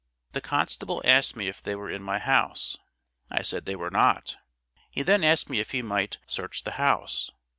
The constable asked me if they were in my house? I said they were not! He then asked me if he might search the house?